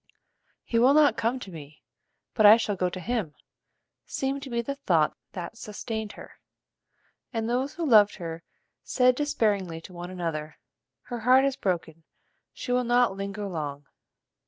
"He will not come to me, but I shall go to him," seemed to be the thought that sustained her, and those who loved her said despairingly to one another: "Her heart is broken: she will not linger long."